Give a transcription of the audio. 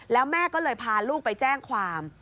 แล้วแม่ก็เลยพาลูกไปแจ้งความ